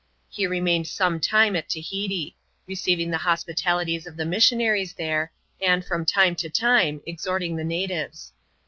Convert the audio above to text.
He remained some time at Tahiti ; receiving the hospitalities of the missionaries there, and, from time to time, exhorting the natives.